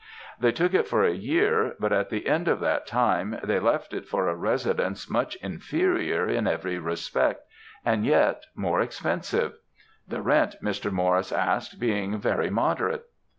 They took it for a year, but at the end of that time they left it for a residence much inferior in every respect, and yet more expensive; the rent Mr. Maurice asked being very moderate.